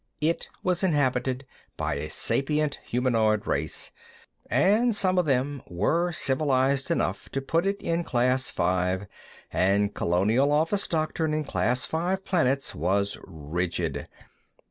It was inhabited by a sapient humanoid race, and some of them were civilized enough to put it in Class V, and Colonial Office doctrine on Class V planets was rigid.